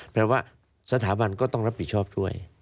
แปลว่าสถาบันก็ต้องรับผิดชอบด้วย